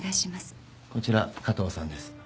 こちら加藤さんです。